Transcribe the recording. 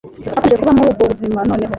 Nakomeje kuba muri ubwo buzima noneho